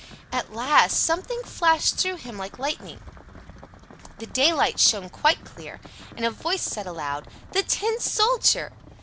At last something flashed through him like lightning. The daylight shone quite clear, and a voice said aloud, "The Tin Soldier!"